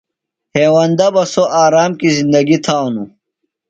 ہیوندہ بہ سوۡ آرام کیۡ زندگی تھانوۡ۔